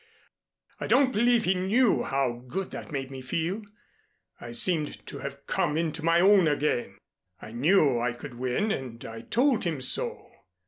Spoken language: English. I don't believe he knew how good that made me feel. I seemed to have come into my own again. I knew I could win and I told him so.